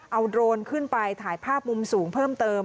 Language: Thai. เอาโดรนขึ้นไปถ่ายภาพมุมสูงเพิ่มเติม